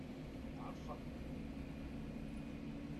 Ɛeffeṭ!